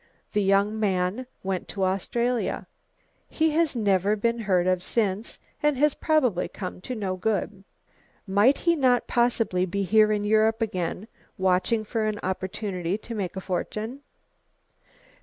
The young man went to Australia. He has never been heard of since and has probably come to no good." "Might he not possibly be here in Europe again, watching for an opportunity to make a fortune?"